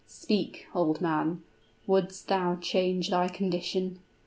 Speak, old man wouldst thou change thy condition?